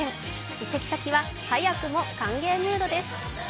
移籍先は早くも歓迎ムードです。